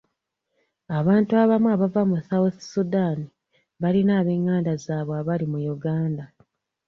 Abantu abamu abava mu South Sudan balina ab'enganda zaabwe abali mu Uganda.